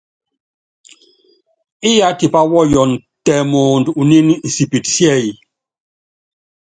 Iyá tipá wɔyɔn tɛ mɔɔnd unín insipit síɛ́y.